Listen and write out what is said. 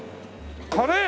カレー！？